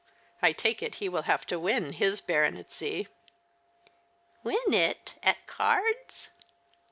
I take it he will have to win his baronetcy." " Win it ? At cards